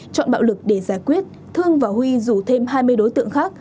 chọn bạo lực để giải quyết thương và huy rủ thêm hai mươi đối tượng khác